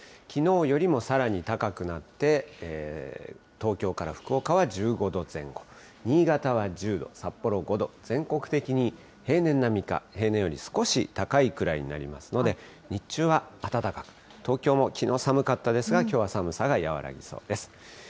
きのうよりもさらに高くなって、東京から福岡は１５度前後、新潟は１０度、札幌５度、全国的に平年並みか、平年より少し高いくらいになりますので、日中は暖かく、東京もきのう寒かったですが、きょうは寒さが和らぎそうです。